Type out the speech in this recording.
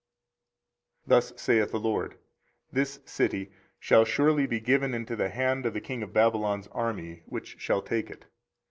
24:038:003 Thus saith the LORD, This city shall surely be given into the hand of the king of Babylon's army, which shall take it.